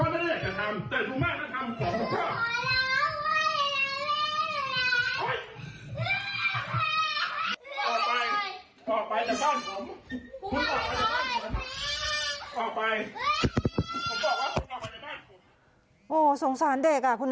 มันหรือเป็นเหมาะม่างงน่ะ